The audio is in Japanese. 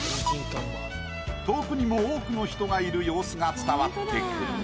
遠くにも多くの人がいる様子が伝わってくる。